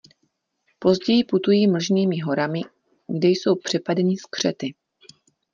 Později putují mlžnými horami, kde jsou přepadeni skřety.